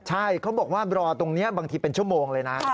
ใช่เขาบอกว่ารอตรงนี้บางทีเป็นชั่วโมงเลยนะ